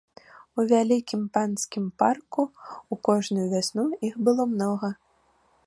У вялізным панскім парку ў кожную вясну іх было многа.